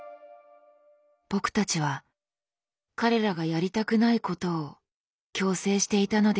僕たちは彼らがやりたくないことを強制していたのではないか？